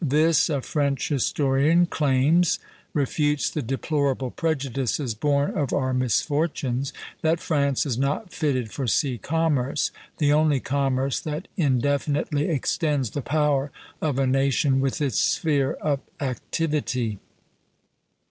This, a French historian claims, refutes "the deplorable prejudices, born of our misfortunes, that France is not fitted for sea commerce, the only commerce that indefinitely extends the power of a nation with its sphere of activity."